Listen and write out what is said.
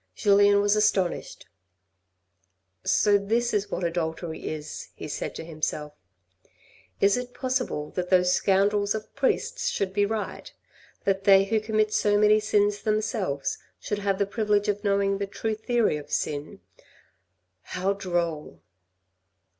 Julien was astonished. " So this is what adultery is," he said to himself. " Is it possible that those scoundrels of priests should be right, that they who commit so many sins themselves should have the privilege of knowing the true theory of sin ? How droll